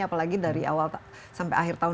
apalagi dari awal sampai akhir tahun dua ribu dua puluh